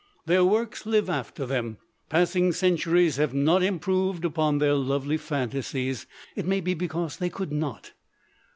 Their works live after them. Passing centuries have not improved upon their lovely phantasies: it may be because they could not.